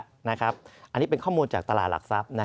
อันนี้เป็นข้อมูลจากตลาดหลักทรัพย์